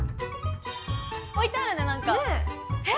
置いてあるねなんか。ね。